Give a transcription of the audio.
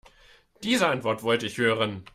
Diese Antwort wollte ich hören.